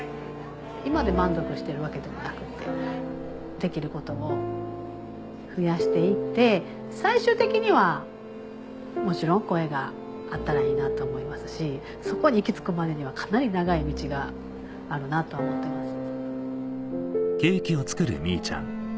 今で満足しているわけではなくてできることを増やして行って最終的にはもちろん声があったらいいなと思いますしそこに行き着くまでにはかなり長い道があるなとは思ってます。